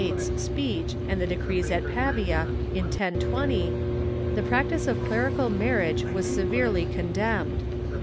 's speech and the decrees at Pavia in 1020, the practice of clerical marriage was severely condemned.